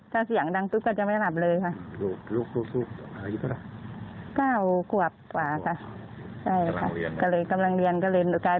ถ้าเสียงดังปุ๊บก็จะไม่หลับเลยค่ะ